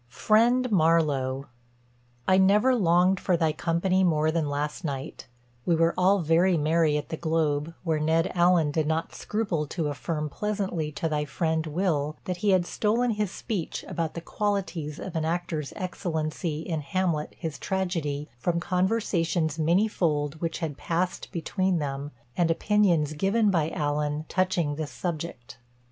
"FRIEND MARLOW, "I never longed for thy companye more than last night: we were all very merrye at the Globe, where Ned Alleyn did not scruple to affirme pleasantly to thy friend WILL, that he had stolen his speech about the qualityes of an actor's excellencye in Hamlet his Tragedye, from conversations manyfold which had passed between them, and opinyons given by Alleyn touchinge this subject.